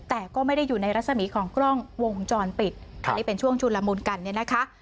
แต่ก็ไม่ได้อยู่ในรัศมีของกล้องวงจรปิดอันนี้เป็นช่วงชุนละมุนกันเนี่ยนะคะ